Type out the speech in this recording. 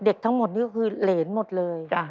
เด็กทั้งหมดนี่คือเหรนหมดเลย